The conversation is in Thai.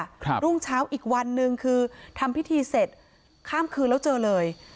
รุ่งเช้าอีกวันหนึ่งคือทำพิธีเสร็จข้ามคืนแล้วเจอเลย